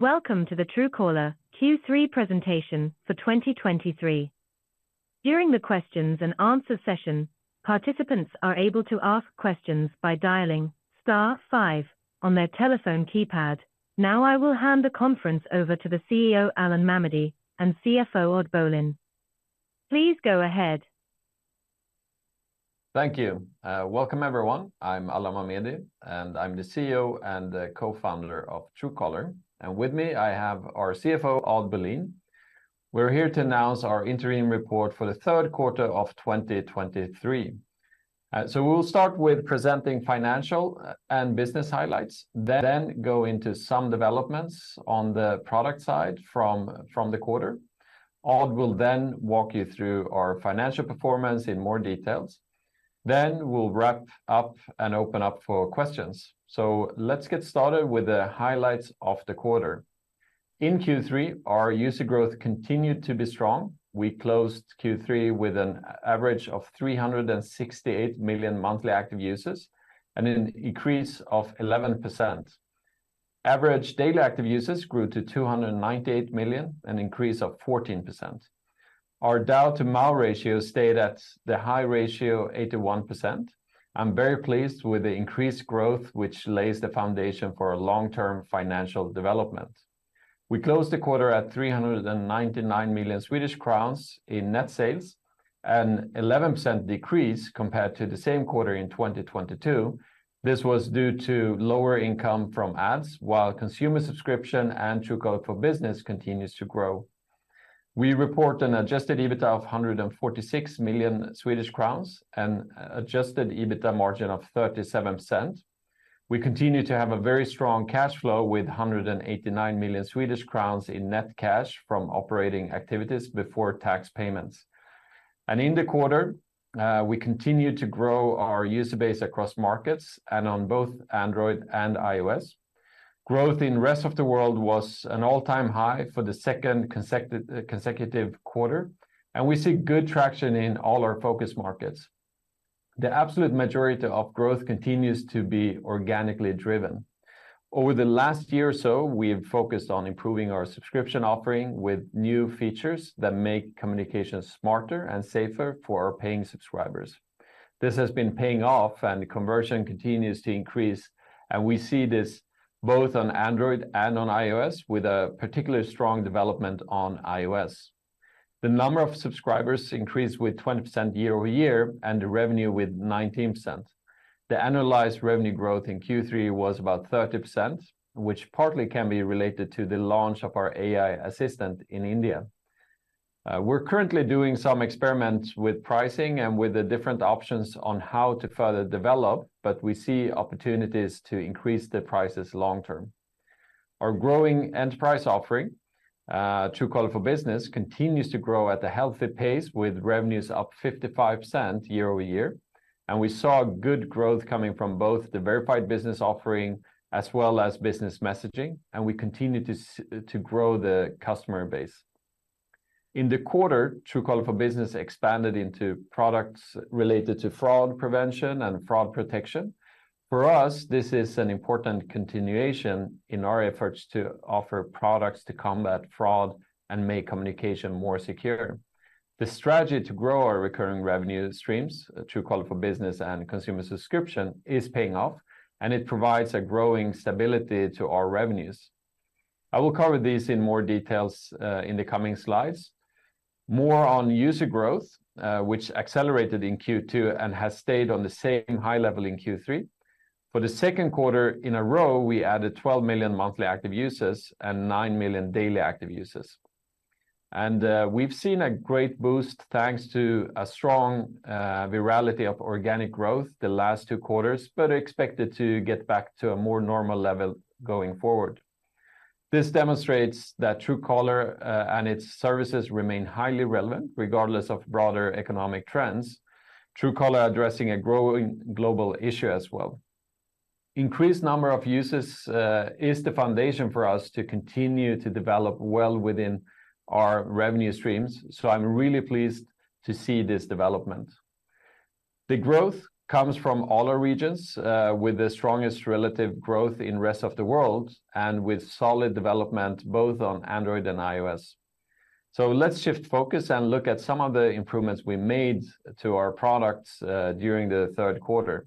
Welcome to the Truecaller Q3 presentation for 2023. During the questions and answer session, participants are able to ask questions by dialing star five on their telephone keypad. Now, I will hand the conference over to the CEO, Alan Mamedi, and CFO, Odd Bolin. Please go ahead. Thank you. Welcome, everyone. I'm Alan Mamedi, and I'm the CEO and co-founder of Truecaller. And with me, I have our CFO, Odd Bolin. We're here to announce our interim report for the third quarter of 2023. So we'll start with presenting financial and business highlights, then go into some developments on the product side from, from the quarter. Odd will then walk you through our financial performance in more details. Then we'll wrap up and open up for questions. So let's get started with the highlights of the quarter. In Q3, our user growth continued to be strong. We closed Q3 with an average of 368 million monthly active users and an increase of 11%. Average daily active users grew to 298 million, an increase of 14%. Our DAU to MAU ratio stayed at the high ratio, 81%. I'm very pleased with the increased growth, which lays the foundation for our long-term financial development. We closed the quarter at 399 million Swedish crowns in net sales, an 11% decrease compared to the same quarter in 2022. This was due to lower income from ads, while consumer subscription and Truecaller for Business continues to grow. We report an adjusted EBITDA of 146 million Swedish crowns and adjusted EBITDA margin of 37%. We continue to have a very strong cash flow, with 189 million Swedish crowns in net cash from operating activities before tax payments. And in the quarter, we continued to grow our user base across markets and on both Android and iOS. Growth in rest of the world was an all-time high for the second consecutive quarter, and we see good traction in all our focus markets. The absolute majority of growth continues to be organically driven. Over the last year or so, we've focused on improving our subscription offering with new features that make communication smarter and safer for our paying subscribers. This has been paying off, and the conversion continues to increase, and we see this both on Android and on iOS, with a particularly strong development on iOS. The number of subscribers increased with 20% year-over-year and the revenue with 19%. The annualized revenue growth in Q3 was about 30%, which partly can be related to the launch of our AI assistant in India. We're currently doing some experiments with pricing and with the different options on how to further develop, but we see opportunities to increase the prices long term. Our growing enterprise offering, Truecaller for Business, continues to grow at a healthy pace, with revenues up 55% year over year, and we saw good growth coming from both the Verified Business offering as well as Business Messaging, and we continue to grow the customer base. In the quarter, Truecaller for Business expanded into products related to fraud prevention and fraud protection. For us, this is an important continuation in our efforts to offer products to combat fraud and make communication more secure. The strategy to grow our recurring revenue streams, Truecaller for Business and consumer subscription, is paying off, and it provides a growing stability to our revenues. I will cover these in more details in the coming slides. More on user growth, which accelerated in Q2 and has stayed on the same high level in Q3. For the second quarter in a row, we added 12 million monthly active users and 9 million daily active users. We've seen a great boost, thanks to a strong virality of organic growth the last two quarters, but expected to get back to a more normal level going forward. This demonstrates that Truecaller and its services remain highly relevant, regardless of broader economic trends, Truecaller addressing a growing global issue as well. Increased number of users is the foundation for us to continue to develop well within our revenue streams, so I'm really pleased to see this development. The growth comes from all our regions, with the strongest relative growth in rest of the world and with solid development both on Android and iOS. Let's shift focus and look at some of the improvements we made to our products during the third quarter.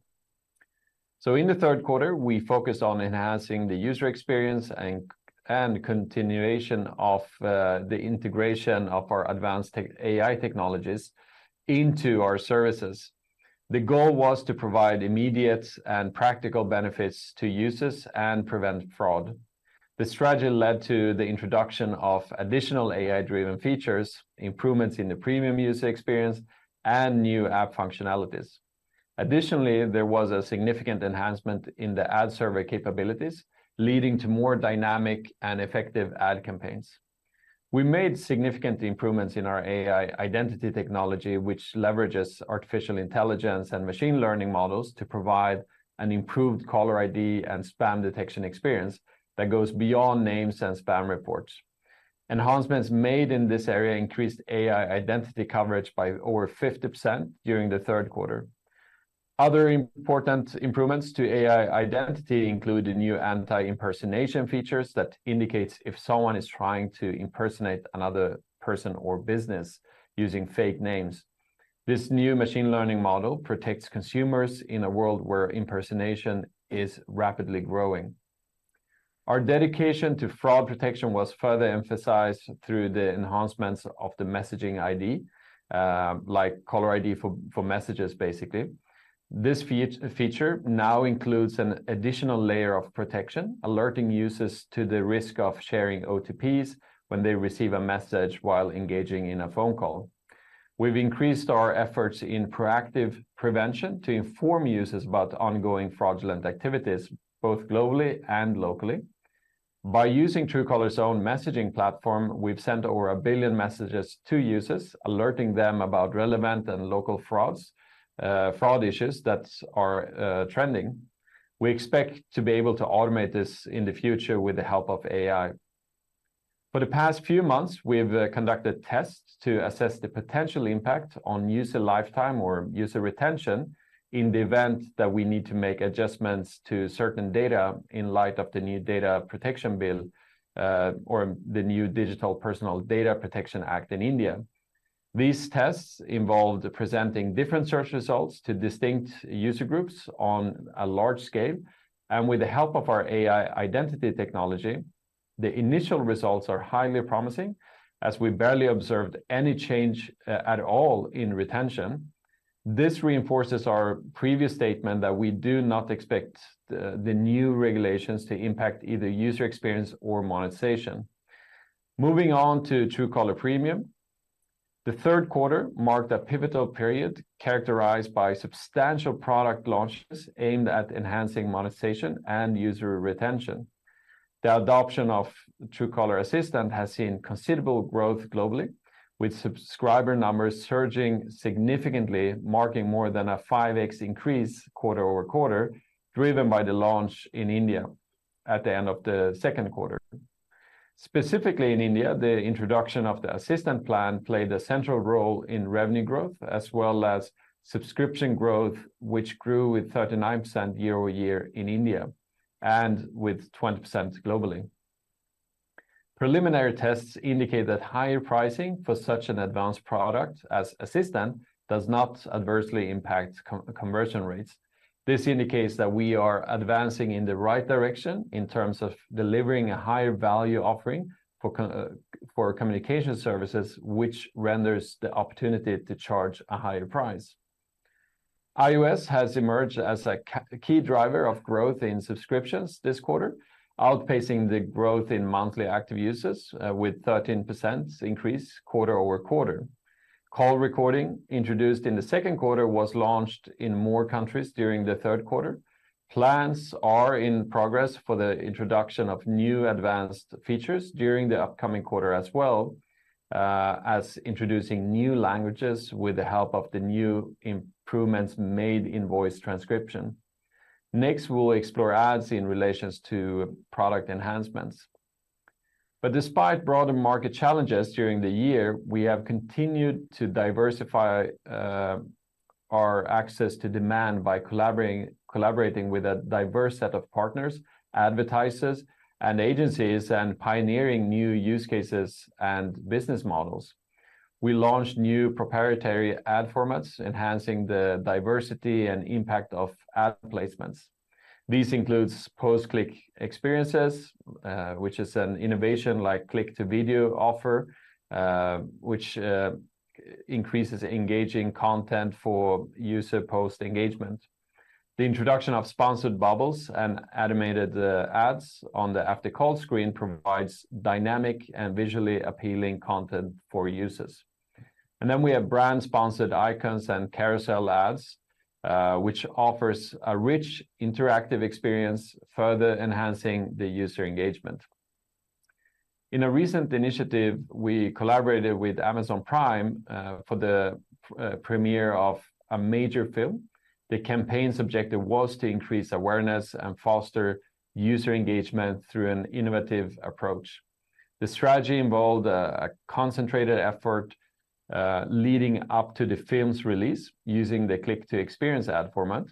In the third quarter, we focused on enhancing the user experience and, and continuation of, the integration of our advanced tech- AI technologies into our services. The goal was to provide immediate and practical benefits to users and prevent fraud. The strategy led to the introduction of additional AI-driven features, improvements in the premium user experience, and new app functionalities. Additionally, there was a significant enhancement in the ad server capabilities, leading to more dynamic and effective ad campaigns. We made significant improvements in our AI Identity technology, which leverages artificial intelligence and machine learning models to provide an improved Caller ID and Spam Detection experience that goes beyond names and spam reports. Enhancements made in this area increased AI Identity coverage by over 50% during the third quarter. Other important improvements to AI Identity include the new anti-impersonation features that indicates if someone is trying to impersonate another person or business using fake names. This new machine learning model protects consumers in a world where impersonation is rapidly growing. Our dedication to fraud protection was further emphasized through the enhancements of the Messaging ID, like Caller ID for messages, basically. This feature now includes an additional layer of protection, alerting users to the risk of sharing OTPs when they receive a message while engaging in a phone call. We've increased our efforts in proactive prevention to inform users about ongoing fraudulent activities, both globally and locally. By using Truecaller's own messaging platform, we've sent over 1 billion messages to users, alerting them about relevant and local frauds, fraud issues that are, trending. We expect to be able to automate this in the future with the help of AI. For the past few months, we have, conducted tests to assess the potential impact on user lifetime or user retention in the event that we need to make adjustments to certain data in light of the new data protection bill, or the new Digital Personal Data Protection Act in India. These tests involved presenting different search results to distinct user groups on a large scale, and with the help of our AI Identity technology, the initial results are highly promising, as we barely observed any change at all in retention. This reinforces our previous statement that we do not expect the new regulations to impact either user experience or monetization. Moving on to Truecaller Premium. The third quarter marked a pivotal period characterized by substantial product launches aimed at enhancing monetization and user retention. The adoption of Truecaller Assistant has seen considerable growth globally, with subscriber numbers surging significantly, marking more than a 5x increase quarter-over-quarter, driven by the launch in India at the end of the second quarter. Specifically in India, the introduction of the assistant plan played a central role in revenue growth, as well as subscription growth, which grew with 39% year-over-year in India and with 20% globally. Preliminary tests indicate that higher pricing for such an advanced product as Assistant does not adversely impact conversion rates. This indicates that we are advancing in the right direction in terms of delivering a higher value offering for communication services, which renders the opportunity to charge a higher price. iOS has emerged as a key driver of growth in subscriptions this quarter, outpacing the growth in monthly active users with 13% increase quarter-over-quarter. Call recording, introduced in the second quarter, was launched in more countries during the third quarter. Plans are in progress for the introduction of new advanced features during the upcoming quarter, as well as introducing new languages with the help of the new improvements made in voice transcription. Next, we will explore ads in relation to product enhancements. But despite broader market challenges during the year, we have continued to diversify our access to demand by collaborating with a diverse set of partners, advertisers, and agencies, and pioneering new use cases and business models. We launched new proprietary ad formats, enhancing the diversity and impact of ad placements. These include post-click experiences, which is an innovation like click-to-video offer, which increases engaging content for user post-engagement. The introduction of sponsored bubbles and animated ads on the after call screen provides dynamic and visually appealing content for users. Then we have brand-sponsored icons and carousel ads, which offers a rich interactive experience, further enhancing the user engagement. In a recent initiative, we collaborated with Amazon Prime for the premiere of a major film. The campaign's objective was to increase awareness and foster user engagement through an innovative approach. The strategy involved a concentrated effort leading up to the film's release, using the click-to-experience ad format.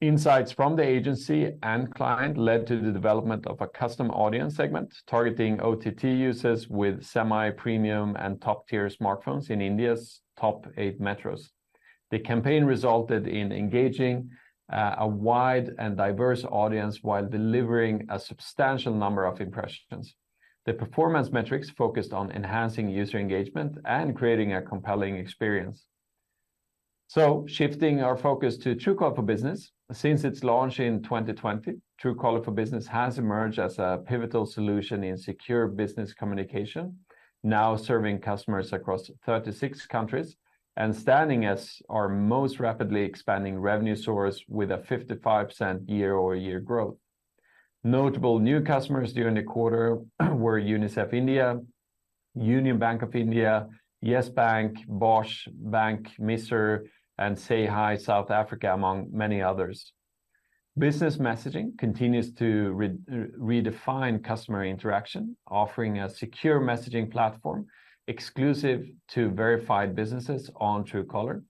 Insights from the agency and client led to the development of a custom audience segment, targeting OTT users with semi-premium and top-tier smartphones in India's top eight metros. The campaign resulted in engaging a wide and diverse audience while delivering a substantial number of impressions. The performance metrics focused on enhancing user engagement and creating a compelling experience. Shifting our focus to Truecaller for Business. Since its launch in 2020, Truecaller for Business has emerged as a pivotal solution in secure business communication, now serving customers across 36 countries and standing as our most rapidly expanding revenue source with a 55% year-over-year growth. Notable new customers during the quarter were UNICEF India, Union Bank of India, Yes Bank, Bosch, Banque Misr, and SayHi South Africa, among many others.... Business Messaging continues to redefine customer interaction, offering a secure messaging platform exclusive to Verified Businesses on Truecaller.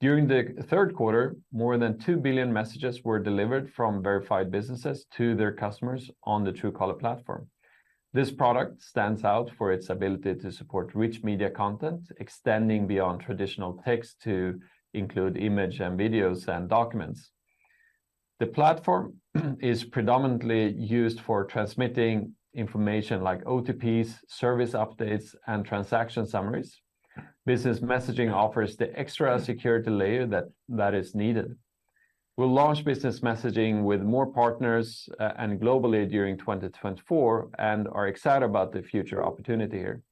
During the third quarter, more than 2 billion messages were delivered from Verified Businesses to their customers on the Truecaller platform. This product stands out for its ability to support rich media content, extending beyond traditional text to include image and videos and documents. The platform is predominantly used for transmitting information like OTPs, service updates, and transaction summaries. Business Messaging offers the extra security layer that is needed. We'll launch Business Messaging with more partners and globally during 2024, and are excited about the future opportunity here.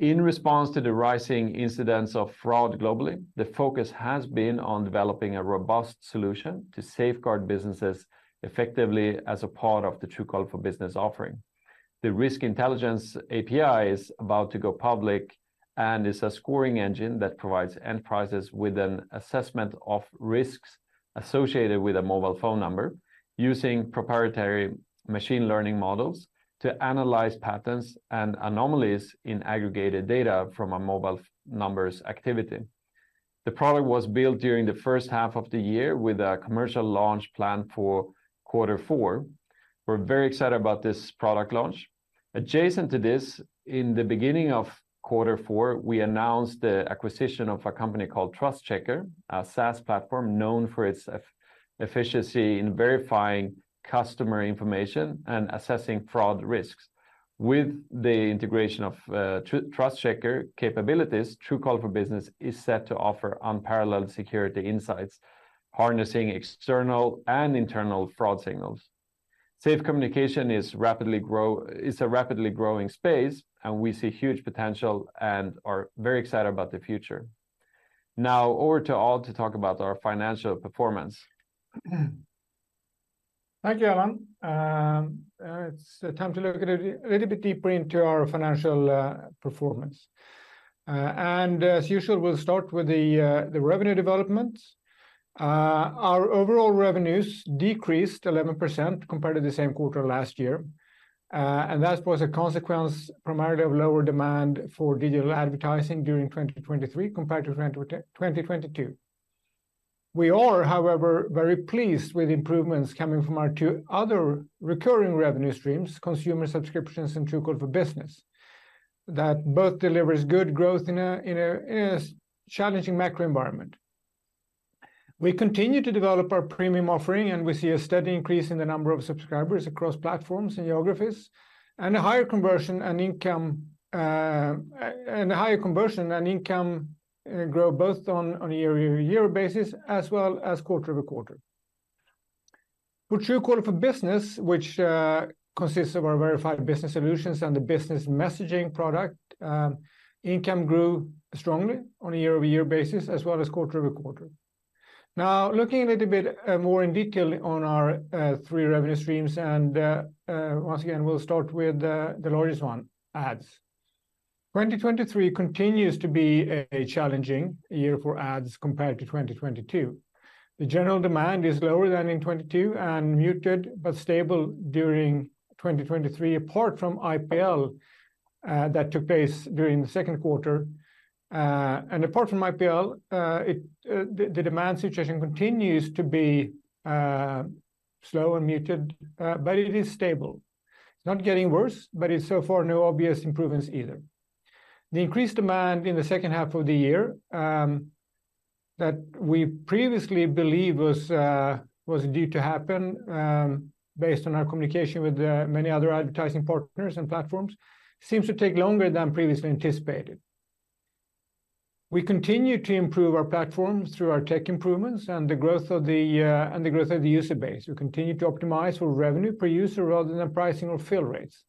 In response to the rising incidents of fraud globally, the focus has been on developing a robust solution to safeguard businesses effectively as a part of the Truecaller for Business offering. The Risk Intelligence API is about to go public, and is a scoring engine that provides enterprises with an assessment of risks associated with a mobile phone number, using proprietary machine learning models to analyze patterns and anomalies in aggregated data from a mobile number's activity. The product was built during the first half of the year with a commercial launch plan for quarter four. We're very excited about this product launch. Adjacent to this, in the beginning of quarter four, we announced the acquisition of a company called TrustCheckr, a SaaS platform known for its efficiency in verifying customer information and assessing fraud risks. With the integration of TrustCheckr capabilities, Truecaller for Business is set to offer unparalleled security insights, harnessing external and internal fraud signals. Safe communication is a rapidly growing space, and we see huge potential and are very excited about the future. Now, over to Odd to talk about our financial performance. Thank you, Alan. It's time to look at it a little bit deeper into our financial performance. As usual, we'll start with the revenue development. Our overall revenues decreased 11% compared to the same quarter last year. That was a consequence, primarily of lower demand for digital advertising during 2023 compared to 2022. We are, however, very pleased with improvements coming from our two other recurring revenue streams, consumer subscriptions, and Truecaller for Business, that both delivers good growth in a challenging macro environment. We continue to develop our premium offering, and we see a steady increase in the number of subscribers across platforms and geographies, and a higher conversion and income, and a higher conversion and income grow both on a year-over-year basis, as well as quarter-over-quarter. For Truecaller for Business, which consists of our Verified Business solutions and the Business Messaging product, income grew strongly on a year-over-year basis, as well as quarter-over-quarter. Now, looking a little bit more in detail on our three revenue streams, and once again, we'll start with the largest one, ads. 2023 continues to be a challenging year for ads compared to 2022. The general demand is lower than in 2022 and muted, but stable during 2023, apart from IPL that took place during the second quarter. And apart from IPL, the demand situation continues to be slow and muted, but it is stable. It's not getting worse, but so far no obvious improvements either. The increased demand in the second half of the year that we previously believe was due to happen, based on our communication with many other Advertising partners and platforms, seems to take longer than previously anticipated. We continue to improve our platform through our tech improvements and the growth of the user base. We continue to optimize for revenue per user rather than pricing or fill rates.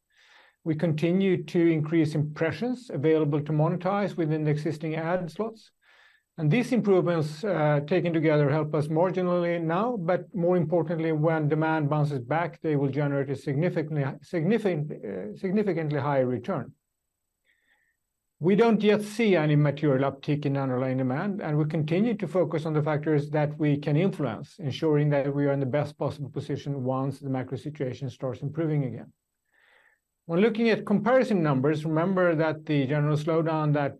We continue to increase impressions available to monetize within the existing ad slots, and these improvements taken together help us marginally now, but more importantly, when demand bounces back, they will generate a significantly higher return. We don't yet see any material uptick in underlying demand, and we continue to focus on the factors that we can influence, ensuring that we are in the best possible position once the macro situation starts improving again. When looking at comparison numbers, remember that the general slowdown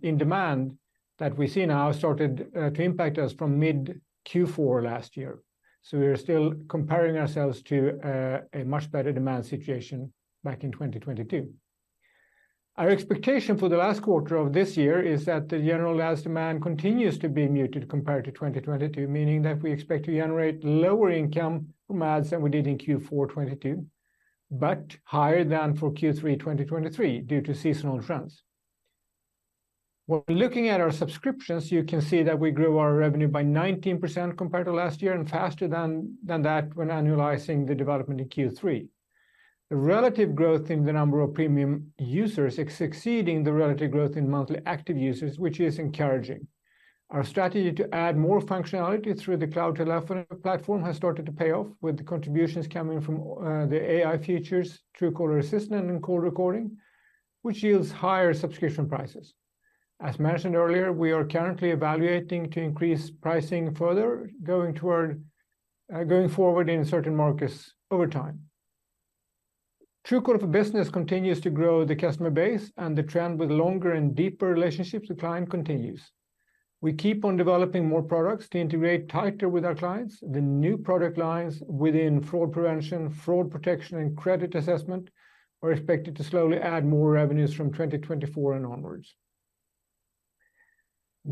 in demand that we see now started to impact us from mid Q4 last year. So we are still comparing ourselves to a much better demand situation back in 2022. Our expectation for the last quarter of this year is that the general ad demand continues to be muted compared to 2022, meaning that we expect to generate lower income from ads than we did in Q4 2022, but higher than for Q3 2023, due to seasonal trends. When looking at our subscriptions, you can see that we grew our revenue by 19% compared to last year, and faster than that when annualizing the development in Q3. The relative growth in the number of premium users is exceeding the relative growth in monthly active users, which is encouraging. Our strategy to add more functionality through the cloud telephony platform has started to pay off, with the contributions coming from the AI features, Truecaller Assistant and call recording, which yields higher subscription prices. As mentioned earlier, we are currently evaluating to increase pricing further, going toward going forward in certain markets over time. Truecaller for Business continues to grow the customer base, and the trend with longer and deeper relationships with client continues. We keep on developing more products to integrate tighter with our clients. The new product lines within fraud prevention, fraud protection, and credit assessment are expected to slowly add more revenues from 2024 and onwards.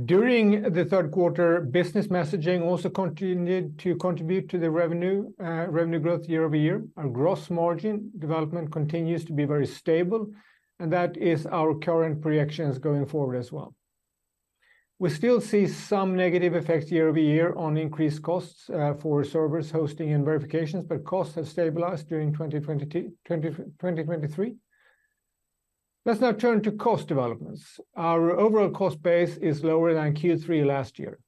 During the third quarter, Business Messaging also continued to contribute to the revenue revenue growth year-over-year. Our gross margin development continues to be very stable, and that is our current projections going forward as well. We still see some negative effects year over year on increased costs for servers, hosting, and verifications, but costs have stabilized during 2023. Let's now turn to cost developments. Our overall cost base is lower than Q3 last year.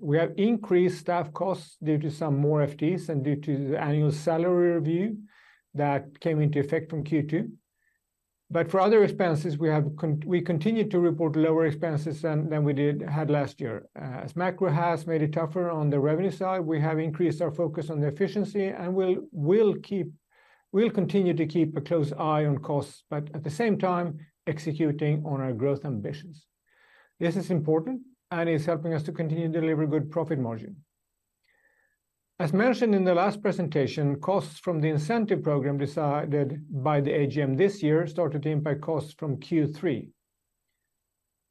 We have increased staff costs due to some more FTEs and due to the annual salary review that came into effect from Q2. But for other expenses, we continued to report lower expenses than we had last year. As macro has made it tougher on the revenue side, we have increased our focus on the efficiency and we'll continue to keep a close eye on costs, but at the same time, executing on our growth ambitions. This is important and is helping us to continue to deliver good profit margin. As mentioned in the last presentation, costs from the incentive program decided by the AGM this year started to impact costs from Q3.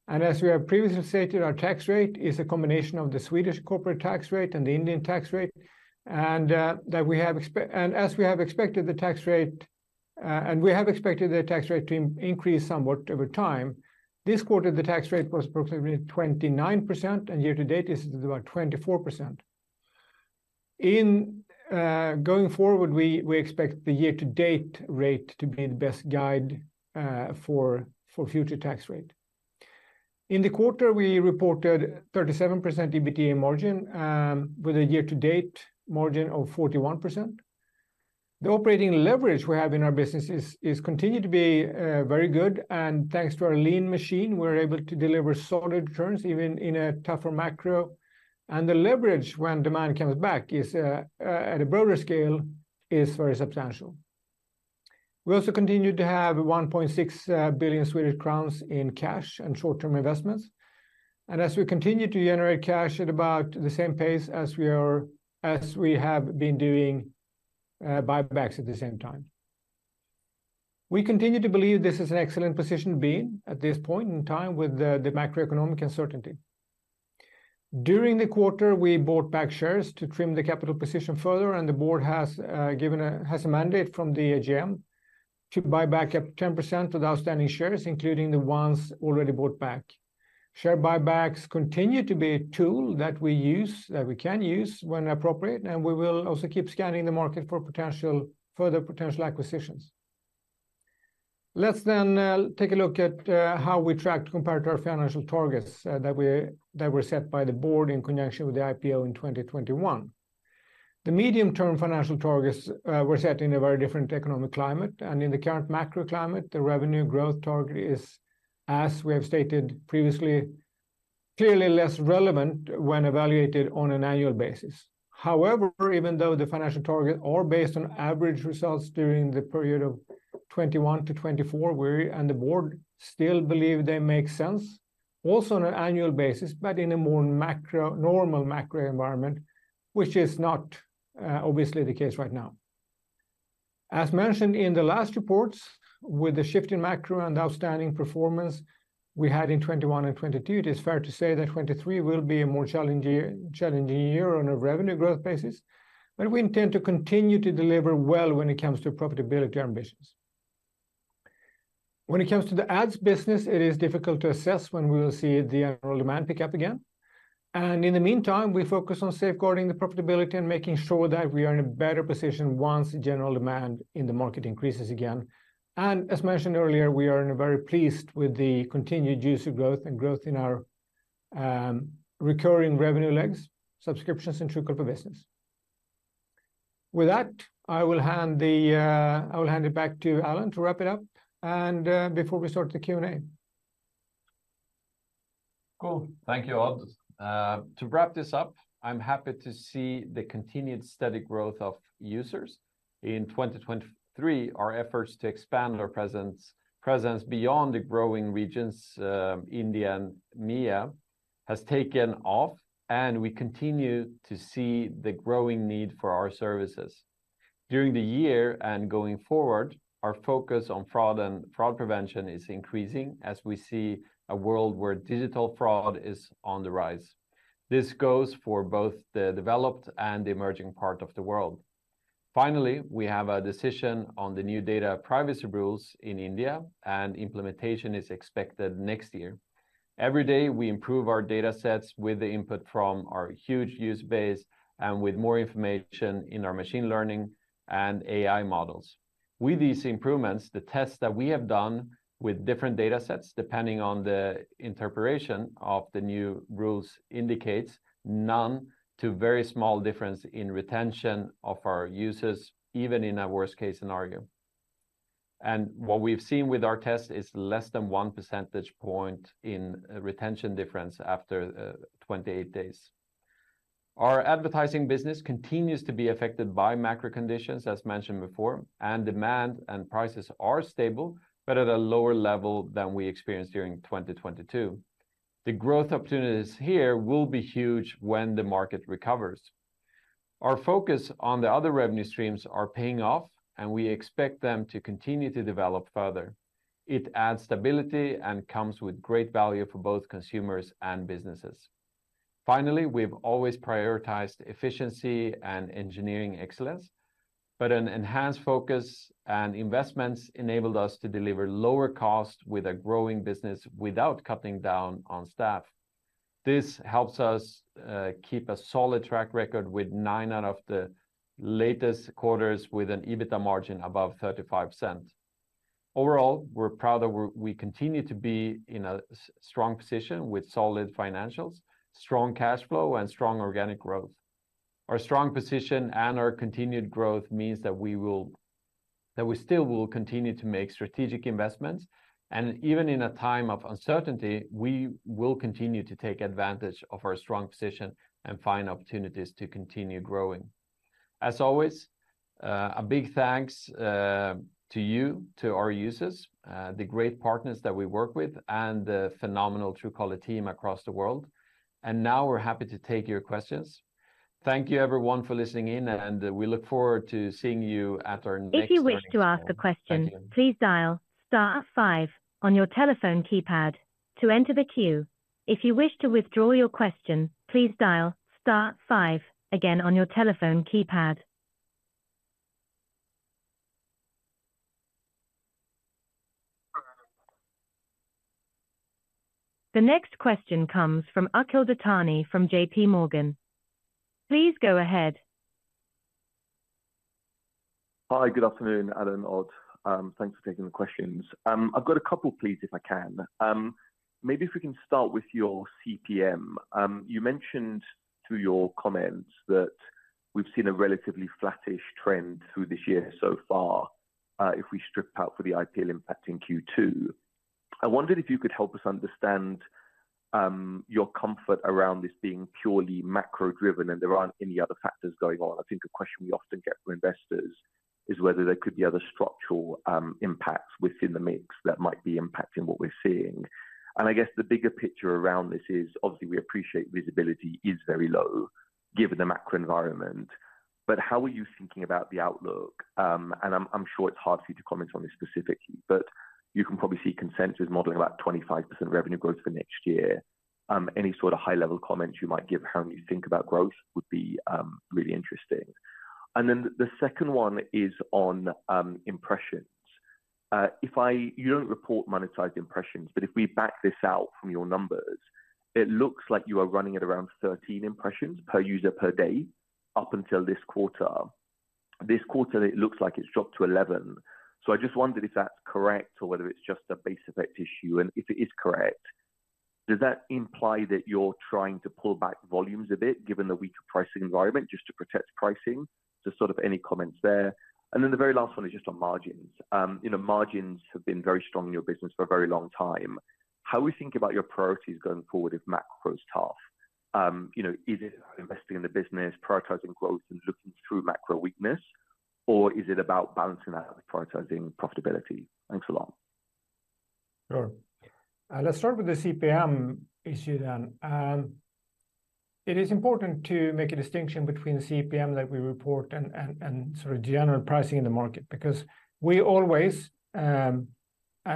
As we have previously stated, our tax rate is a combination of the Swedish corporate tax rate and the Indian tax rate, and as we have expected, the tax rate to increase somewhat over time. This quarter, the tax rate was approximately 29%, and year to date, this is about 24%. Going forward, we expect the year-to-date rate to be the best guide for future tax rate. In the quarter, we reported 37% EBITDA margin, with a year-to-date margin of 41%. The operating leverage we have in our business is continued to be very good, and thanks to our lean machine, we're able to deliver solid returns even in a tougher Macro. The leverage when demand comes back is at a broader scale very substantial. We also continued to have 1.6 billion Swedish crowns in cash and short-term investments. As we continue to generate cash at about the same pace as we have been doing, buybacks at the same time. We continue to believe this is an excellent position to be in at this point in time with the Macroeconomic uncertainty. During the quarter, we bought back shares to trim the capital position further, and the board has a mandate from the AGM to buy back up 10% of the outstanding shares, including the ones already bought back. Share buybacks continue to be a tool that we can use when appropriate, and we will also keep scanning the market for further potential acquisitions. Let's then take a look at how we tracked compared to our financial targets that were set by the board in connection with the IPO in 2021. The medium-term financial targets were set in a very different economic climate, and in the current macro climate, the revenue growth target is, as we have stated previously, clearly less relevant when evaluated on an annual basis. However, even though the financial targets are based on average results during the period of 2021-2024, we and the board still believe they make sense, also on an annual basis, but in a more Macro, normal macro environment, which is not, obviously the case right now. As mentioned in the last reports, with the shift in macro and outstanding performance we had in 2021 and 2022, it is fair to say that 2023 will be a more challenging year, challenging year on a revenue growth basis. But we intend to continue to deliver well when it comes to profitability ambitions. When it comes to the ads business, it is difficult to assess when we will see the general demand pick up again. In the meantime, we focus on safeguarding the profitability and making sure that we are in a better position once general demand in the market increases again. As mentioned earlier, we are very pleased with the continued user growth and growth in our recurring revenue legs, subscriptions, and Truecaller for business. With that, I will hand it back to Alan to wrap it up and before we start the Q&A. Cool. Thank you, Odd. To wrap this up, I'm happy to see the continued steady growth of users. In 2023, our efforts to expand our presence beyond the growing regions, India and MEA, has taken off, and we continue to see the growing need for our services. During the year and going forward, our focus on fraud and Fraud Prevention is increasing as we see a world where digital fraud is on the rise. This goes for both the developed and emerging part of the world. Finally, we have a decision on the new data privacy rules in India, and implementation is expected next year. Every day, we improve our data sets with the input from our huge user base and with more information in our machine learning and AI models. With these improvements, the tests that we have done with different data sets, depending on the interpretation of the new rules, indicates none to very small difference in retention of our users, even in a worst-case scenario.… And what we've seen with our test is less than 1 percentage point in retention difference after 28 days. Our Advertising business continues to be affected by macro conditions, as mentioned before, and demand and prices are stable, but at a lower level than we experienced during 2022. The growth opportunities here will be huge when the market recovers. Our focus on the other revenue streams are paying off, and we expect them to continue to develop further. It adds stability and comes with great value for both consumers and businesses. Finally, we've always prioritized efficiency and engineering excellence, but an enhanced focus and investments enabled us to deliver lower cost with a growing business without cutting down on staff. This helps us keep a solid track record, with nine out of the latest quarters with an EBITDA margin above 35%. Overall, we're proud that we continue to be in a strong position with solid financials, strong cash flow, and strong organic growth. Our strong position and our continued growth means that we will, that we still will continue to make strategic investments, and even in a time of uncertainty, we will continue to take advantage of our strong position and find opportunities to continue growing. As always, a big thanks to you, to our users, the great partners that we work with, and the phenomenal Truecaller team across the world. And now we're happy to take your questions. Thank you everyone for listening in, and we look forward to seeing you at our next earnings call. Thank you. If you wish to ask a question, please dial star five on your telephone keypad to enter the queue. If you wish to withdraw your question, please dial star five again on your telephone keypad. The next question comes from Akhil Dattani from JPMorgan. Please go ahead. Hi. Good afternoon, Alan, Odd. Thanks for taking the questions. I've got a couple, please, if I can. Maybe if we can start with your CPM. You mentioned through your comments that we've seen a relatively flattish trend through this year so far, if we strip out for the IPL impact in Q2. I wondered if you could help us understand your comfort around this being purely Macro-driven and there aren't any other factors going on. I think a question we often get from investors is whether there could be other structural impacts within the mix that might be impacting what we're seeing. And I guess the bigger picture around this is, obviously, we appreciate visibility is very low given the macro environment. But how are you thinking about the outlook? I'm sure it's hard for you to comment on this specifically, but you can probably see consensus modeling about 25% revenue growth for next year. Any sort of high-level comments you might give how you think about growth would be really interesting. And then the second one is on impressions. If you don't report monetized impressions, but if we back this out from your numbers, it looks like you are running at around 13 impressions per user, per day, up until this quarter. This quarter, it looks like it's dropped to 11 impressions. So I just wondered if that's correct or whether it's just a base effect issue. And if it is correct, does that imply that you're trying to pull back volumes a bit, given the weaker pricing environment, just to protect pricing? Just sort of any comments there. Then the very last one is just on margins. You know, margins have been very strong in your business for a very long time. How are we thinking about your priorities going forward if Macro's tough? You know, is it investing in the business, prioritizing growth, and looking through macro weakness, or is it about balancing that and prioritizing profitability? Thanks a lot. Sure. Let's start with the CPM issue then. It is important to make a distinction between the CPM that we report and sort of general pricing in the market, because we always, and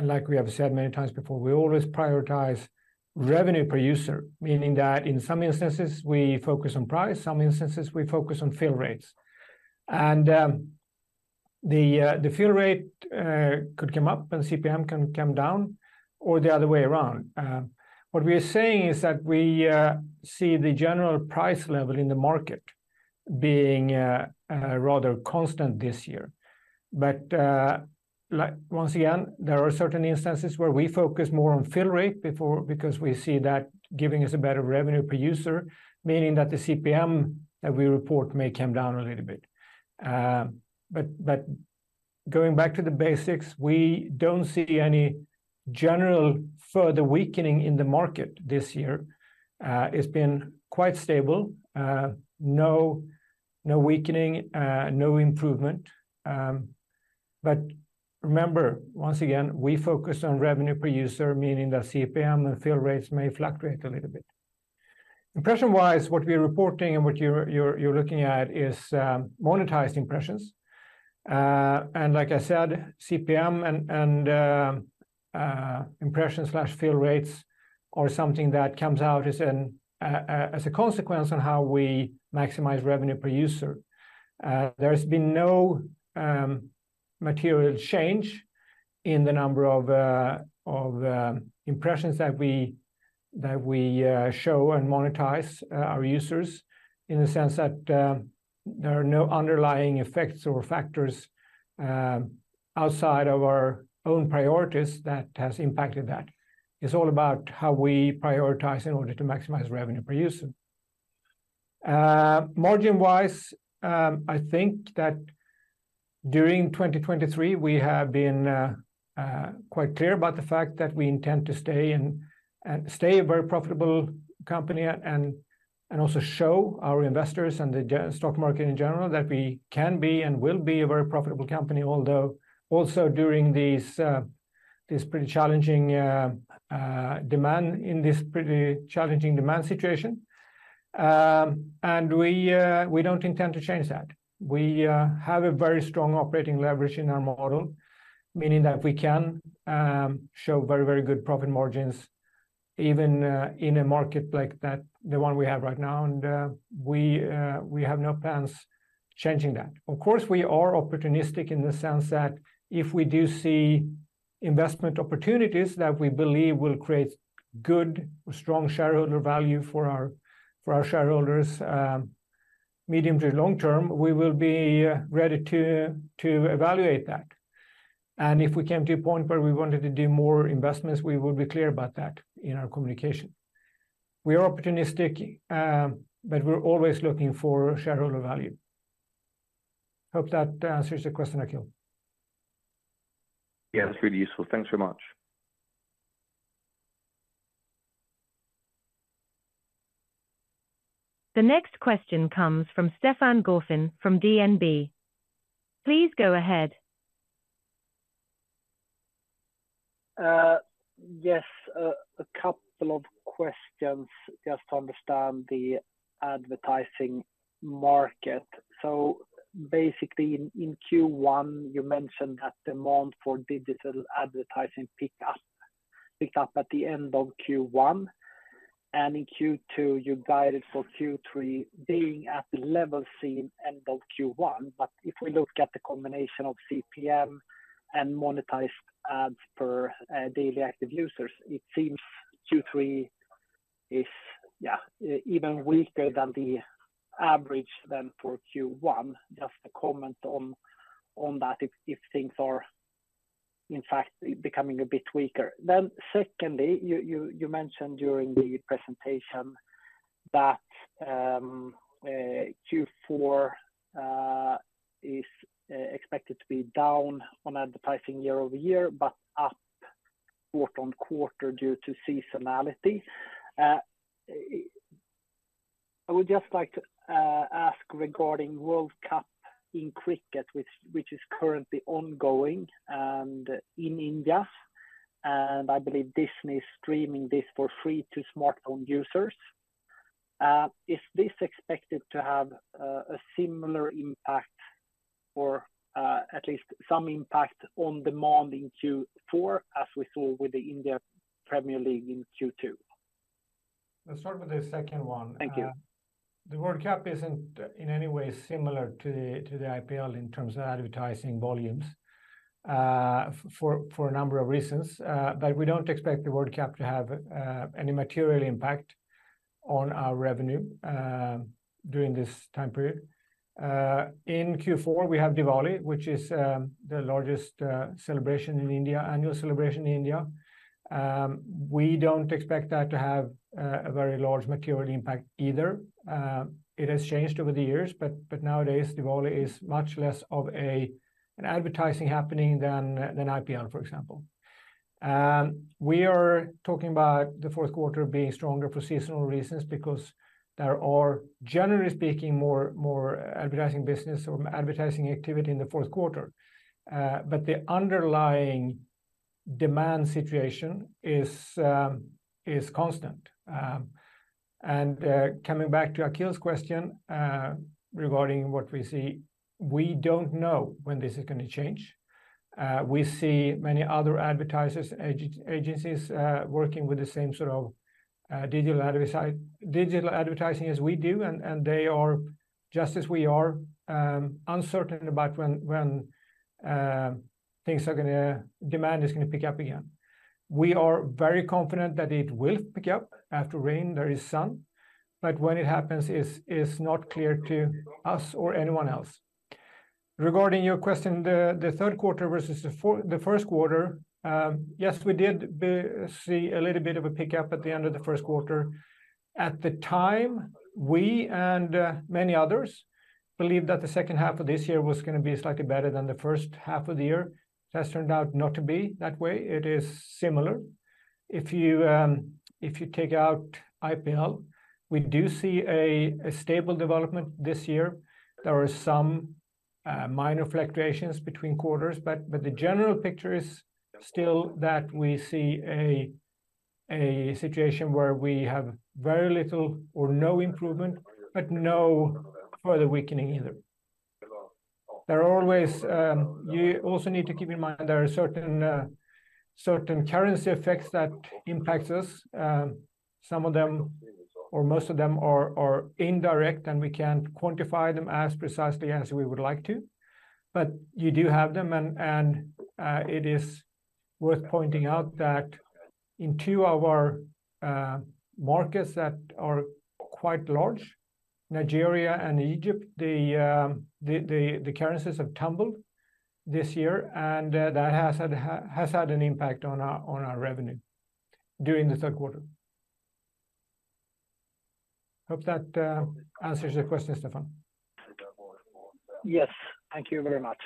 like we have said many times before, we always prioritize revenue per user, meaning that in some instances, we focus on price, some instances, we focus on fill rates. The fill rate could come up and CPM can come down, or the other way around. What we are saying is that we see the general price level in the market being rather constant this year. But, like once again, there are certain instances where we focus more on fill rate before, because we see that giving us a better revenue per user, meaning that the CPM that we report may come down a little bit. But going back to the basics, we don't see any general further weakening in the market this year. It's been quite stable. No, no weakening, no improvement. But remember, once again, we focus on revenue per user, meaning that CPM and fill rates may fluctuate a little bit. Impression-wise, what we're reporting and what you're looking at is monetized impressions. And like I said, CPM and impression/fill rates are something that comes out as a consequence on how we maximize revenue per user. There's been no material change in the number of impressions that we show and monetize our users, in the sense that there are no underlying effects or factors outside of our own priorities that has impacted that. It's all about how we prioritize in order to maximize revenue per user.... Margin-wise, I think that during 2023, we have been quite clear about the fact that we intend to stay and stay a very profitable company, and also show our investors and the general stock market in general, that we can be and will be a very profitable company. Although also during this pretty challenging demand situation. And we don't intend to change that. We have a very strong operating leverage in our model, meaning that we can show very, very good profit margins even in a market like that, the one we have right now. And we have no plans changing that. Of course, we are opportunistic in the sense that if we do see investment opportunities that we believe will create good, strong shareholder value for our shareholders, medium to long term, we will be ready to evaluate that. And if we came to a point where we wanted to do more investments, we would be clear about that in our communication. We are opportunistic, but we're always looking for shareholder value. Hope that answers the question, Akhil. Yeah, that's really useful. Thanks so much. The next question comes from Stefan Gauffin from DNB. Please go ahead. Yes, a couple of questions just to understand the advertising market. So basically, in Q1, you mentioned that demand for digital advertising picked up at the end of Q1, and in Q2, you guided for Q3 being at the level seen end of Q1. But if we look at the combination of CPM and monetized ads per daily active users, it seems Q3 is, yeah, even weaker than the average for Q1. Just a comment on that, if things are in fact becoming a bit weaker. Then secondly, you mentioned during the presentation that Q4 is expected to be down on advertising year-over-year, but up quarter-on-quarter due to seasonality. I would just like to ask regarding World Cup in Cricket, which is currently ongoing and in India, and I believe Disney is streaming this for free to smartphone users. Is this expected to have a similar impact or at least some impact on demand in Q4, as we saw with the Indian Premier League in Q2? Let's start with the second one. Thank you. The World Cup isn't in any way similar to the IPL in terms of advertising volumes for a number of reasons. But we don't expect the World Cup to have any material impact on our revenue during this time period. In Q4, we have Diwali, which is the largest celebration in India, annual celebration in India. We don't expect that to have a very large material impact either. It has changed over the years, but nowadays Diwali is much less of an advertising happening than IPL, for example. We are talking about the fourth quarter being stronger for seasonal reasons because there are, generally speaking, more advertising business or advertising activity in the fourth quarter. But the underlying demand situation is constant. Coming back to Akhil's question, regarding what we see, we don't know when this is gonna change. We see many other advertisers, agencies, working with the same sort of digital advertising as we do, and they are, just as we are, uncertain about when demand is gonna pick up again. We are very confident that it will pick up. After rain, there is sun, but when it happens is not clear to us or anyone else. Regarding your question, the third quarter versus the first quarter, yes, we did see a little bit of a pickup at the end of the first quarter. At the time, we and many others believed that the second half of this year was gonna be slightly better than the first half of the year. That's turned out not to be that way. It is similar. If you, if you take out IPL, we do see a stable development this year. There are some minor fluctuations between quarters, but the general picture is still that we see a situation where we have very little or no improvement, but no further weakening either. There are always. You also need to keep in mind there are certain certain currency effects that impacts us. Some of them or most of them are indirect, and we can't quantify them as precisely as we would like to. But you do have them, and it is worth pointing out that in two of our markets that are quite large, Nigeria and Egypt, the currencies have tumbled this year, and that has had an impact on our revenue during the third quarter. Hope that answers your question, Stefan. Yes, thank you very much.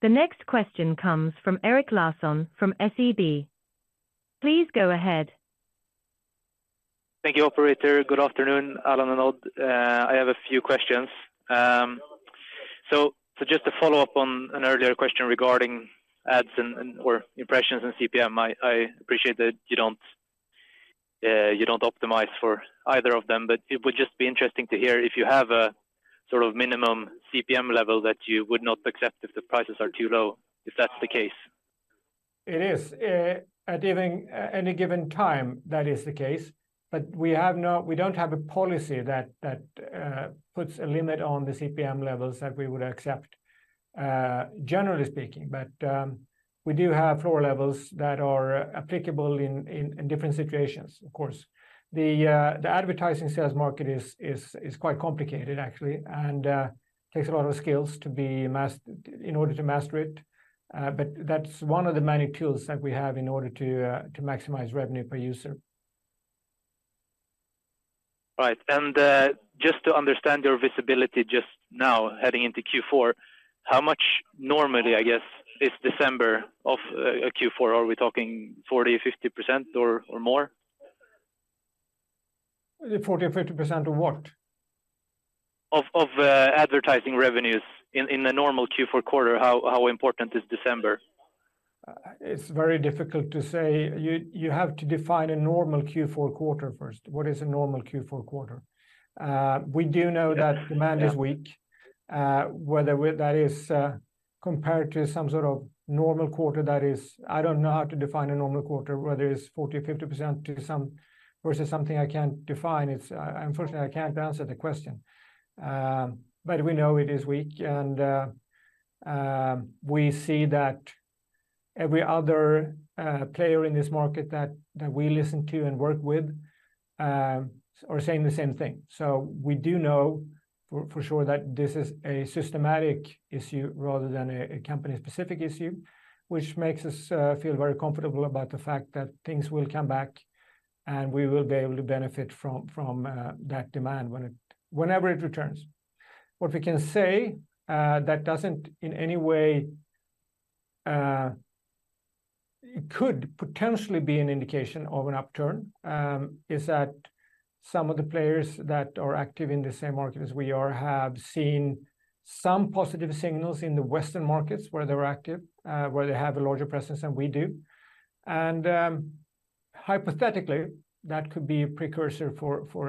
The next question comes from Erik Larsson from SEB. Please go ahead. Thank you, operator. Good afternoon, Alan and Odd. I have a few questions. So, so just to follow up on an earlier question regarding ads and, and or impressions and CPM, I, I appreciate that you don't, you don't optimize for either of them, but it would just be interesting to hear if you have a sort of minimum CPM level that you would not accept if the prices are too low, if that's the case. It is. At any given time, that is the case, but we don't have a policy that puts a limit on the CPM levels that we would accept, generally speaking. But we do have lower levels that are applicable in different situations, of course. The advertising sales market is quite complicated actually, and takes a lot of skills in order to master it. But that's one of the many tools that we have in order to maximize revenue per user. Right. And just to understand your visibility just now, heading into Q4, how much normally, I guess, is December of a Q4? Are we talking 40%, 50% or more? 40% or 50% of what? Of advertising revenues in a normal Q4 quarter, how important is December? It's very difficult to say. You have to define a normal Q4 quarter first. What is a normal Q4 quarter? We do know- Yeah... that demand is weak, whether we, that is, compared to some sort of normal quarter, that is... I don't know how to define a normal quarter, whether it's 40% or 50% to some, versus something I can't define. It's unfortunately, I can't answer the question. But we know it is weak, and we see that every other player in this market that we listen to and work with are saying the same thing. So we do know for sure, that this is a systematic issue rather than a company-specific issue, which makes us feel very comfortable about the fact that things will come back, and we will be able to benefit from that demand when it whenever it returns. What we can say, that doesn't in any way, it could potentially be an indication of an upturn, is that some of the players that are active in the same market as we are, have seen some positive signals in the Western markets where they're active, where they have a larger presence than we do. And, hypothetically, that could be a precursor for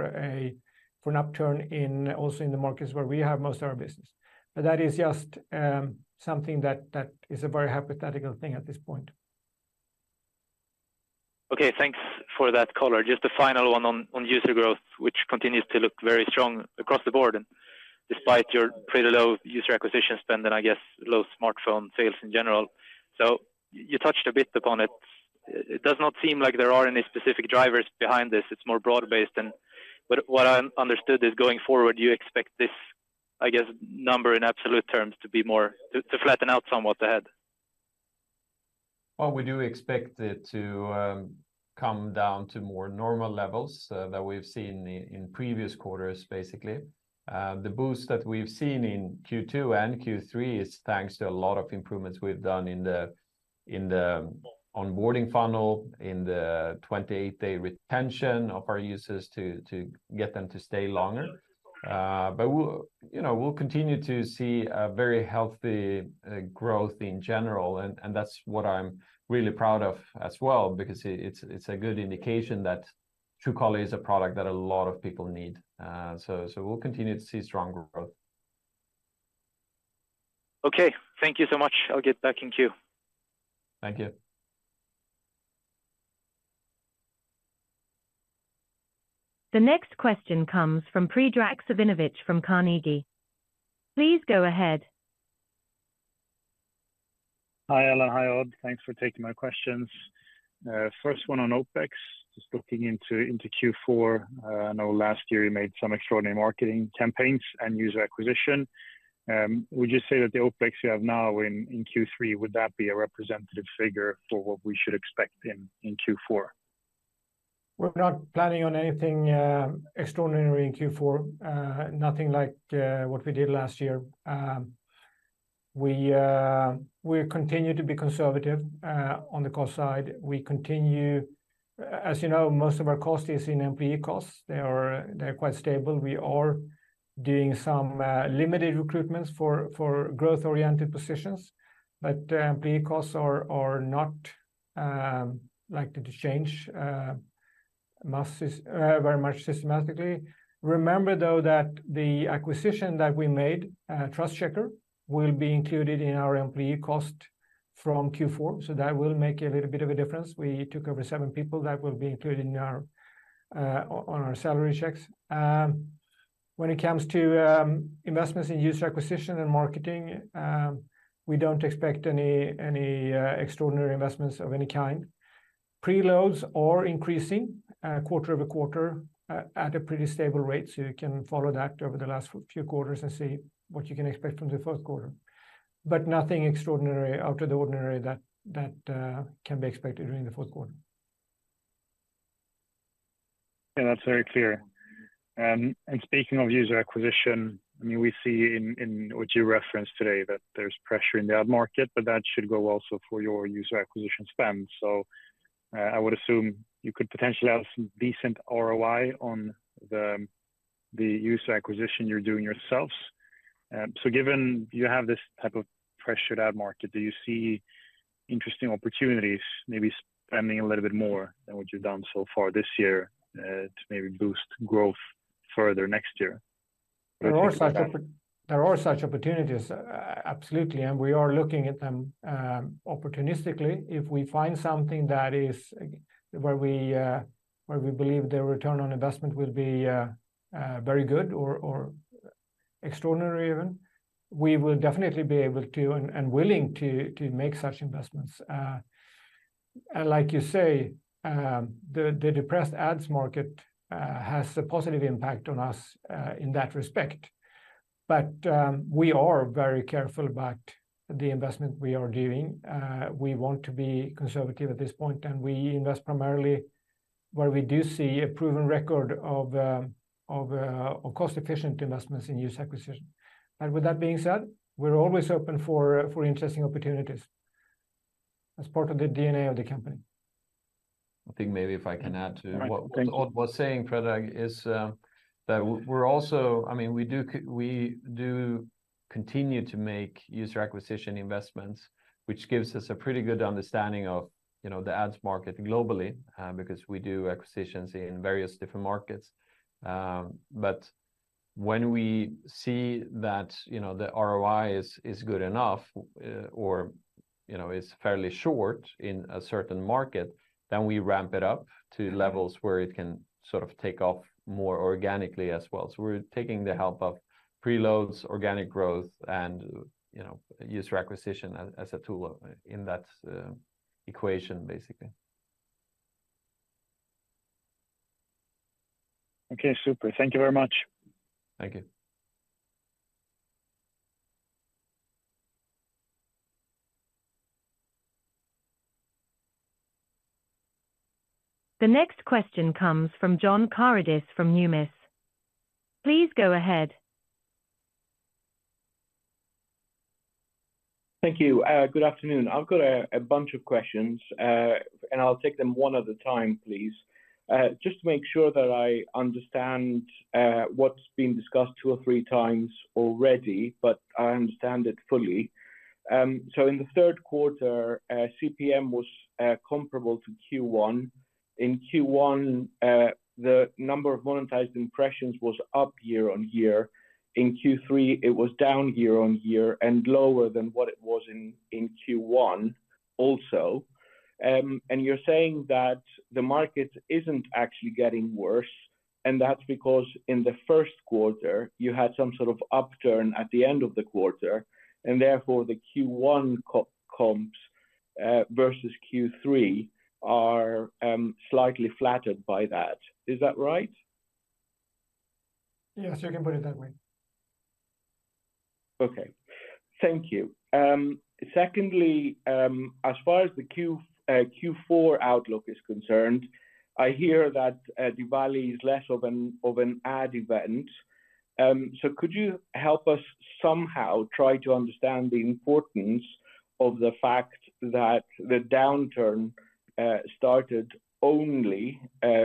an upturn in, also in the markets where we have most of our business. But that is just, something that is a very hypothetical thing at this point. Okay, thanks for that color. Just a final one on user growth, which continues to look very strong across the board, and despite your pretty low user acquisition spend, and I guess low smartphone sales in general. So you touched a bit upon it. It does not seem like there are any specific drivers behind this. It's more broad-based than... But what I understood is going forward, you expect this, I guess, number in absolute terms to be more, to flatten out somewhat ahead. Well, we do expect it to come down to more normal levels that we've seen in previous quarters, basically. The boost that we've seen in Q2 and Q3 is thanks to a lot of improvements we've done in the onboarding funnel, in the 28-day retention of our users to get them to stay longer. But we'll, you know, we'll continue to see a very healthy growth in general, and that's what I'm really proud of as well, because it's a good indication that Truecaller is a product that a lot of people need. So we'll continue to see strong growth. Okay, thank you so much. I'll get back in queue. Thank you. The next question comes from Predrag Savinovic from Carnegie. Please go ahead. Hi, Alan. Hi, Odd. Thanks for taking my questions. First one on OpEx, just looking into Q4. I know last year you made some extraordinary marketing campaigns and user acquisition. Would you say that the OpEx you have now in Q3 would be a representative figure for what we should expect in Q4? We're not planning on anything extraordinary in Q4. Nothing like what we did last year. We continue to be conservative on the cost side. We continue, as you know, most of our cost is in employee costs. They are, they're quite stable. We are doing some limited recruitments for growth-oriented positions, but employee costs are not likely to change massively very much systematically. Remember, though, that the acquisition that we made, TrustCheckr, will be included in our employee cost from Q4, so that will make a little bit of a difference. We took over seven people that will be included in our salary checks. When it comes to investments in user acquisition and marketing, we don't expect any extraordinary investments of any kind. Preloads are increasing quarter-over-quarter at a pretty stable rate, so you can follow that over the last few quarters and see what you can expect from the fourth quarter. But nothing extraordinary, out of the ordinary that can be expected during the fourth quarter. Yeah, that's very clear. And speaking of user acquisition, I mean, we see in what you referenced today, that there's pressure in the ad market, but that should go also for your user acquisition spend. So, I would assume you could potentially have some decent ROI on the user acquisition you're doing yourselves. So given you have this type of pressured ad market, do you see interesting opportunities, maybe spending a little bit more than what you've done so far this year, to maybe boost growth further next year? There are such opportunities, absolutely, and we are looking at them opportunistically. If we find something that is where we believe the return on investment will be very good or extraordinary even, we will definitely be able to and willing to make such investments. And like you say, the depressed ads market has a positive impact on us in that respect. But we are very careful about the investment we are doing. We want to be conservative at this point, and we invest primarily where we do see a proven record of cost-efficient investments in user acquisition. And with that being said, we're always open for interesting opportunities. That's part of the DNA of the company. I think maybe if I can add to- Right. Thank you... what I'm saying, Predrag, is that we're also—I mean, we do continue to make user acquisition investments, which gives us a pretty good understanding of, you know, the ads market globally, because we do acquisitions in various different markets. But when we see that, you know, the ROI is good enough, or, you know, is fairly short in a certain market, then we ramp it up to levels where it can sort of take off more organically as well. So we're taking the help of preloads, organic growth and, you know, user acquisition as a tool in that equation, basically. Okay, super. Thank you very much. Thank you. The next question comes from John Karidis from Numis. Please go ahead. Thank you. Good afternoon. I've got a bunch of questions, and I'll take them one at a time, please. Just to make sure that I understand what's been discussed two or three times already, but I understand it fully. So in the third quarter, CPM was comparable to Q1. In Q1, the number of monetized impressions was up year-on-year. In Q3, it was down year-on-year and lower than what it was in Q1 also. And you're saying that the market isn't actually getting worse, and that's because in the first quarter, you had some sort of upturn at the end of the quarter, and therefore the Q1 comps versus Q3 are slightly flattered by that. Is that right? Yes, you can put it that way. Okay. Thank you. Secondly, as far as the Q4 outlook is concerned, I hear that Diwali is less of an ad event. So could you help us somehow try to understand the importance of the fact that the downturn started only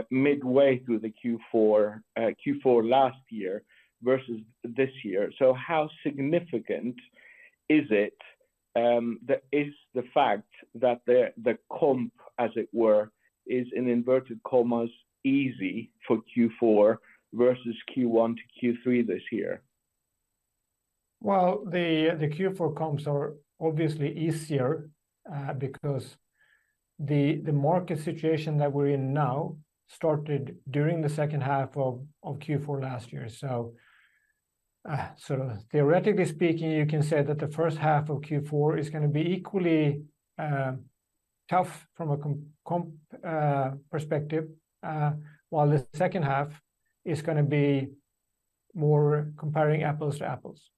midway through the Q4 last year versus this year? So how significant is it, the fact that the comp, as it were, is in inverted commas, easy for Q4 versus Q1 to Q3 this year? Well, Q4 comps are obviously easier, because the market situation that we're in now started during the second half of Q4 last year. So, theoretically speaking, you can say that the first half of Q4 is gonna be equally tough from a comp perspective, while the second half is gonna be more comparing apples to apples.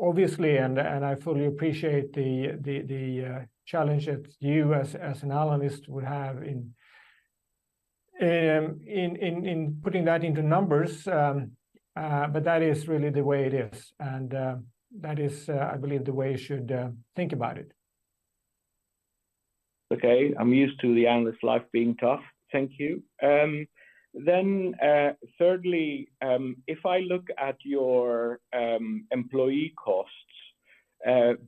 Obviously, I fully appreciate the challenge that you as an analyst would have in putting that into numbers. But that is really the way it is, and that is, I believe, the way you should think about it. Okay. I'm used to the analyst life being tough. Thank you. Then, thirdly, if I look at your employee costs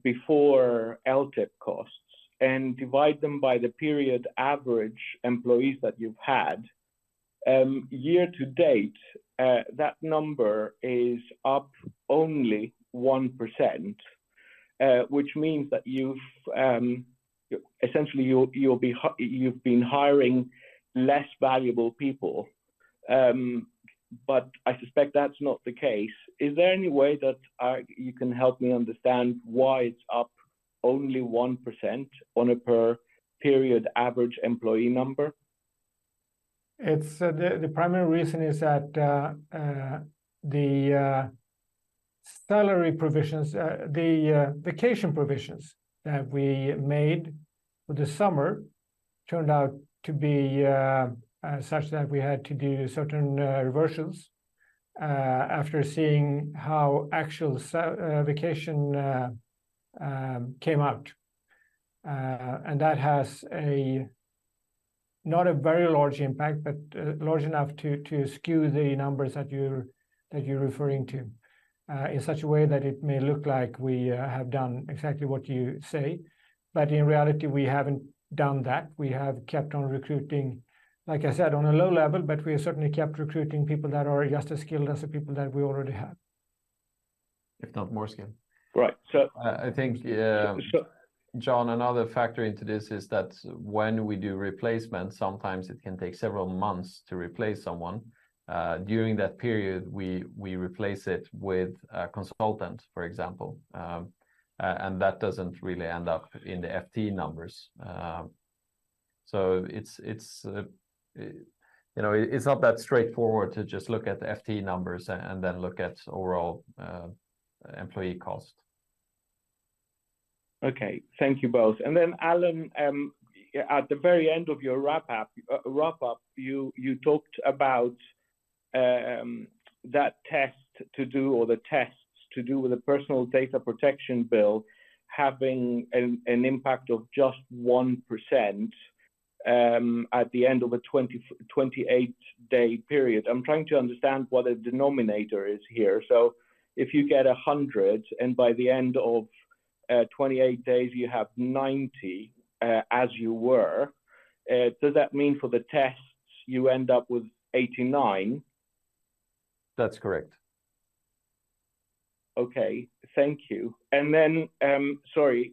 before LTIP costs and divide them by the period average employees that you've had year to date, that number is up only 1%. Which means that you've essentially been hiring less valuable people. But I suspect that's not the case. Is there any way that you can help me understand why it's up only 1% on a per period average employee number? It's the primary reason is that the salary provisions the vacation provisions that we made for the summer turned out to be such that we had to do certain reversions after seeing how actual vacation came out. And that has a not a very large impact, but large enough to skew the numbers that you're referring to in such a way that it may look like we have done exactly what you say, but in reality, we haven't done that. We have kept on recruiting, like I said, on a low level, but we have certainly kept recruiting people that are just as skilled as the people that we already have. If not more skilled. Right. So- I think, Sure ... John, another factor into this is that when we do replacements, sometimes it can take several months to replace someone. During that period, we replace it with a consultant, for example. And that doesn't really end up in the FTE numbers. So it's, you know, it's not that straightforward to just look at the FTE numbers and then look at overall employee cost. Okay, thank you both. Then, Alan, yeah, at the very end of your wrap up, wrap up, you talked about that test to do or the tests to do with the Personal Data Protection Bill having an impact of just 1%, at the end of a 28-day period. I'm trying to understand what the denominator is here. So if you get a 100, and by the end of 28 days, you have 90, as you were, does that mean for the tests, you end up with 89? That's correct. Okay, thank you. And then, sorry,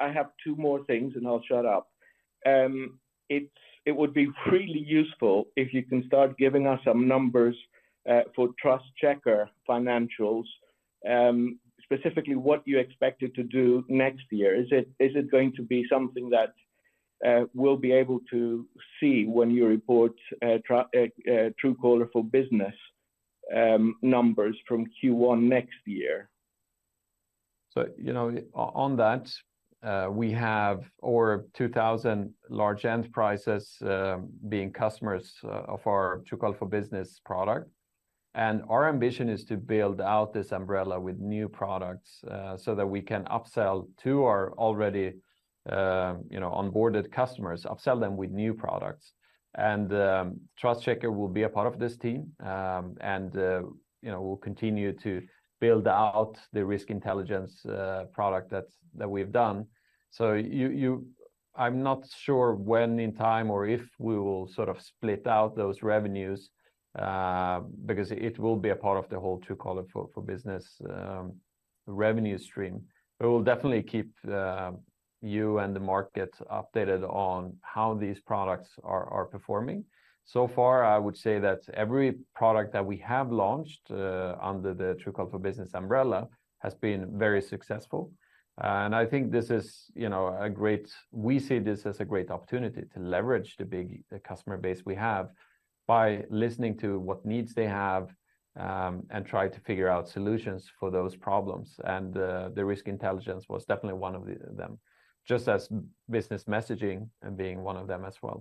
I have two more things, and I'll shut up. It would be really useful if you can start giving us some numbers for TrustCheckr financials, specifically what you expect it to do next year. Is it going to be something that we'll be able to see when you report Truecaller for Business numbers from Q1 next year? So, you know, on that, we have over 2,000 large enterprises, being customers, of our Truecaller for Business product. And our ambition is to build out this umbrella with new products, so that we can upsell to our already, you know, onboarded customers, upsell them with new products. And, TrustCheckr will be a part of this team. And, you know, we'll continue to build out the Risk Intelligence, product that's, that we've done. So you, I'm not sure when in time or if we will sort of split out those revenues, because it will be a part of the whole Truecaller for Business, revenue stream. But we'll definitely keep, you and the market updated on how these products are, performing. So far, I would say that every product that we have launched under the Truecaller for Business umbrella has been very successful. And I think this is, you know, a great—we see this as a great opportunity to leverage the big customer base we have by listening to what needs they have, and try to figure out solutions for those problems. And the Risk Intelligence was definitely one of the, them, just as Business Messaging and being one of them as well.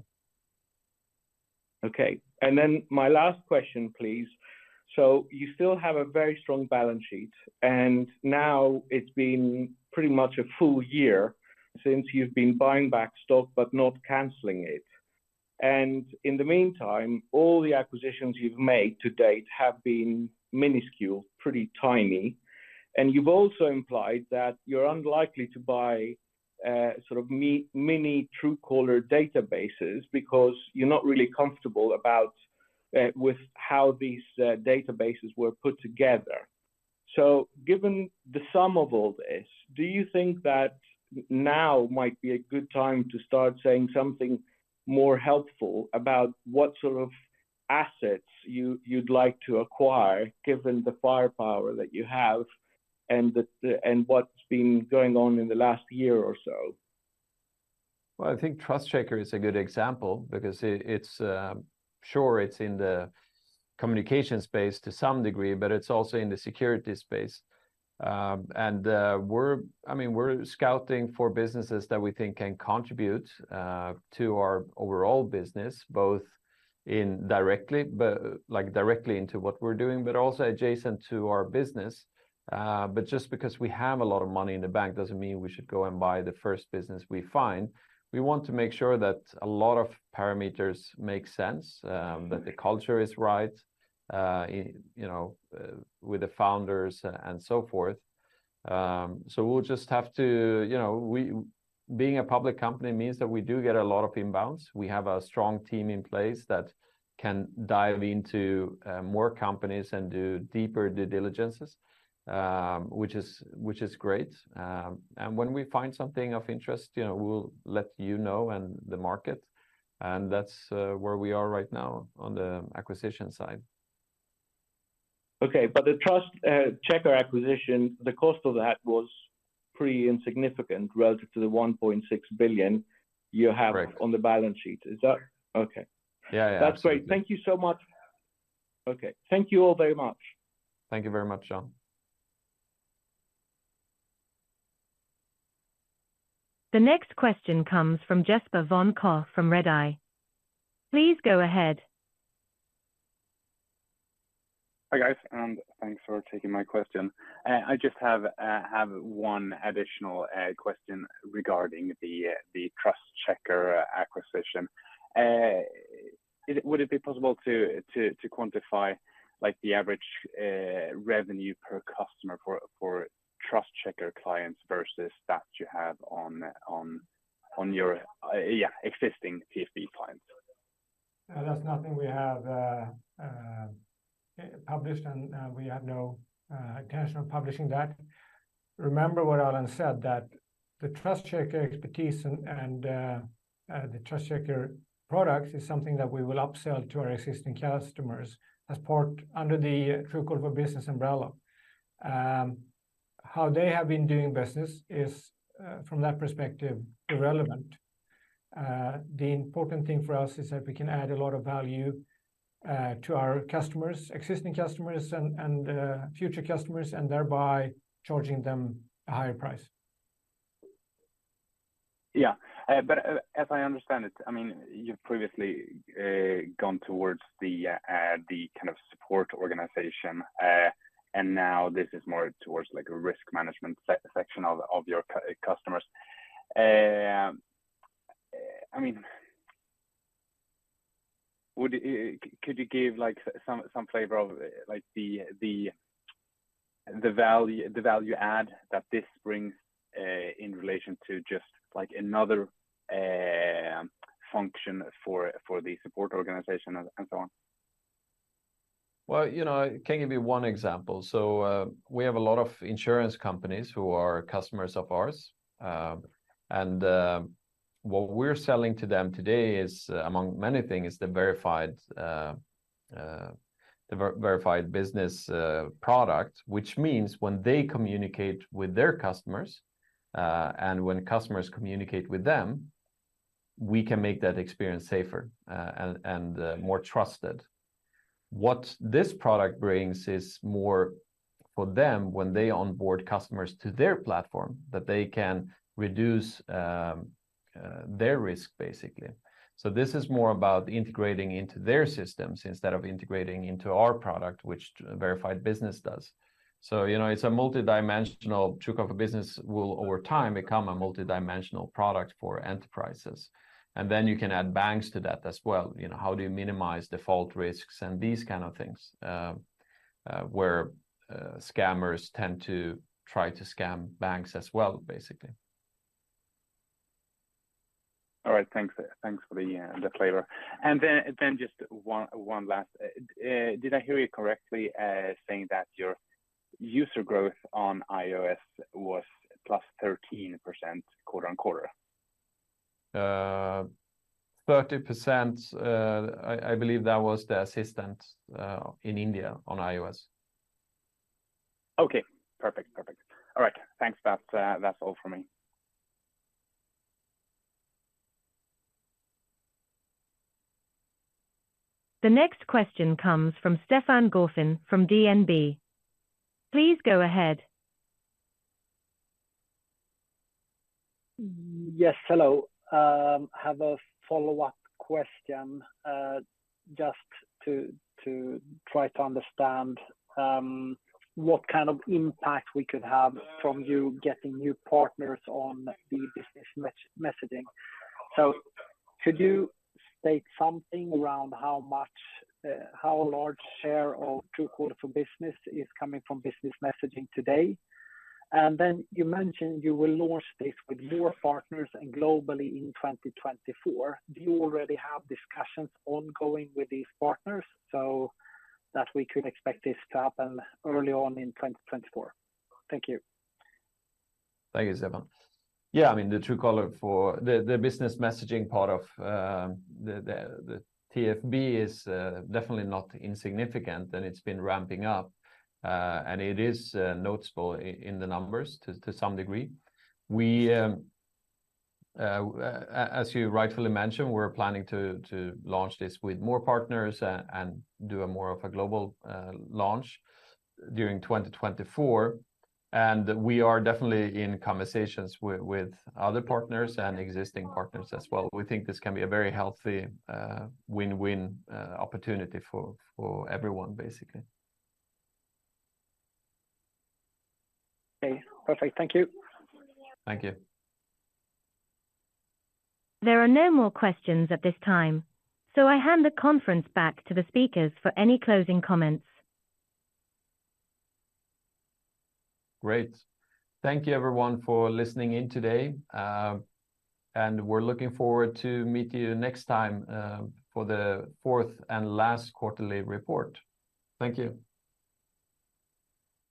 Okay, and then my last question, please. So you still have a very strong balance sheet, and now it's been pretty much a full year since you've been buying back stock but not canceling it. And in the meantime, all the acquisitions you've made to date have been minuscule, pretty tiny, and you've also implied that you're unlikely to buy, sort of mini Truecaller databases because you're not really comfortable about, with how these, databases were put together. So given the sum of all this, do you think that now might be a good time to start saying something more helpful about what sort of assets you, you'd like to acquire, given the firepower that you have and the, and what's been going on in the last year or so? Well, I think TrustCheckr is a good example because it, it's sure, it's in the communication space to some degree, but it's also in the security space. And, we're, I mean, we're scouting for businesses that we think can contribute to our overall business, both in directly, but, like, directly into what we're doing, but also adjacent to our business. But just because we have a lot of money in the bank doesn't mean we should go and buy the first business we find. We want to make sure that a lot of parameters make sense, that the culture is right, you know, with the founders and so forth. So we'll just have to, you know, we, being a public company means that we do get a lot of inbounds. We have a strong team in place that can dive into more companies and do deeper due diligences, which is, which is great. And when we find something of interest, you know, we'll let you know and the market, and that's where we are right now on the acquisition side.... Okay, but the TrustCheckr acquisition, the cost of that was pretty insignificant relative to the 1.6 billion you have- Correct. on the balance sheet. Is that okay. Yeah, yeah. That's great. Thank you so much. Okay, thank you all very much. Thank you very much, John. The next question comes from Jesper von Koch from Redeye. Please go ahead. Hi, guys, and thanks for taking my question. I just have one additional question regarding the TrustCheckr acquisition. Would it be possible to quantify like the average revenue per customer for TrustCheckr clients versus that you have on your yeah existing TfB clients? That's nothing we have published, and we have no intention of publishing that. Remember what Alan said, that the TrustCheckr expertise and the TrustCheckr products is something that we will upsell to our existing customers as part under the Truecaller Business umbrella. How they have been doing business is from that perspective, irrelevant. The important thing for us is that we can add a lot of value to our customers, existing customers, and future customers, and thereby charging them a higher price. Yeah, but as I understand it, I mean, you've previously gone towards the kind of support organization. And now this is more towards like a risk management section of your customers. I mean, could you give like some flavor of the value add that this brings in relation to just like another function for the support organization and so on? Well, you know, I can give you one example. So, we have a lot of insurance companies who are customers of ours. And, what we're selling to them today is, among many things, the Verified Business product. Which means when they communicate with their customers, and when customers communicate with them, we can make that experience safer, and more trusted. What this product brings is more for them when they onboard customers to their platform, that they can reduce their risk, basically. So this is more about integrating into their systems instead of integrating into our product, which Verified Business does. So, you know, it's a multidimensional Truecaller Business will, over time, become a multidimensional product for enterprises. And then you can add banks to that as well. You know, how do you minimize default risks and these kind of things, where scammers tend to try to scam banks as well, basically? All right. Thanks, thanks for the flavor. And then just one last. Did I hear you correctly, saying that your user growth on iOS was +13% quarter-on-quarter? 13%, I believe that was the Assistant in India on iOS. Okay, perfect, perfect. All right, thanks. That's, that's all for me. The next question comes from Stefan Gauffin from DNB. Please go ahead. Yes, hello. Have a follow-up question, just to try to understand what kind of impact we could have from you getting new partners on the Business Messaging. So could you state something around how much, how large a share of Truecaller for Business is coming from Business Messaging today? And then you mentioned you will launch this with more partners and globally in 2024. Do you already have discussions ongoing with these partners so that we could expect this to happen early on in 2024? Thank you. Thank you, Stefan. Yeah, I mean, the Truecaller for... The Business Messaging part of the TfB is definitely not insignificant, and it's been ramping up. And it is noticeable in the numbers to some degree. We, as you rightfully mentioned, we're planning to launch this with more partners and do more of a global launch during 2024. And we are definitely in conversations with other partners and existing partners as well. We think this can be a very healthy win-win opportunity for everyone, basically. Okay, perfect. Thank you. Thank you. There are no more questions at this time, so I hand the conference back to the speakers for any closing comments. Great. Thank you everyone for listening in today. And we're looking forward to meet you next time, for the fourth and last quarterly report. Thank you.